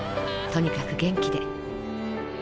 とにかく元気で。